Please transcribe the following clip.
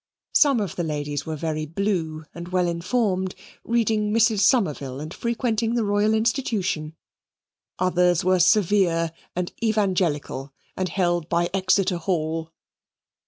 Some of the ladies were very blue and well informed, reading Mrs. Somerville and frequenting the Royal Institution; others were severe and Evangelical, and held by Exeter Hall.